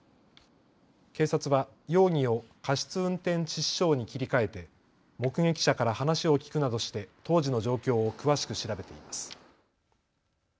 警察は容疑を過失運転致死傷に切り替えて目撃者から話を聞くなどして当時の状況を詳しく調べています。